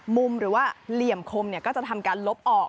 มุมหรือว่าเหลี่ยมคมก็จะทำการลบออก